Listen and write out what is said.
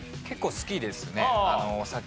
結構好きですね。